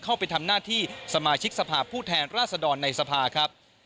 เข้าไปทำหน้าที่สมาชิกสภาพผู้แทนราษฎรในสภาครับ